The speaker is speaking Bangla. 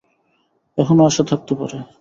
এখনও আশা থাকতে পারে।